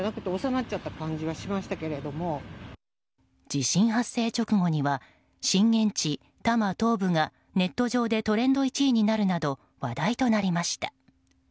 地震発生直後には震源地・多摩東部がネット上でトレンド１位になるなど話題となりました。